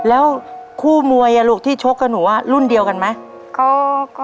แล้วคู่มวยลูกที่ชกกับหนูรุ่นเดียวกันไหม